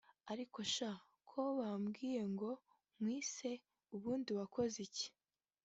Ariko sha ko bambwiye ngo nkwice ubundi wakoze iki